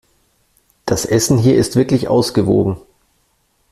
Das Essen hier ist wirklich ausgewogen.